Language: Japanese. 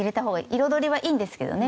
彩りはいいんですけどね